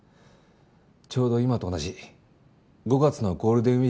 ちょうど今と同じ５月のゴールデンウィークの時期に。